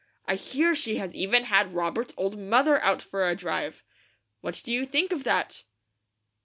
I hear she has even had Robert's old mother out for a drive. What do you think of that?"